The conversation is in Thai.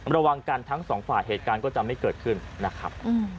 ระวังกันทั้งสองฝ่ายเหตุการณ์ก็จะไม่เกิดขึ้นนะครับ